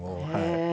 へえ。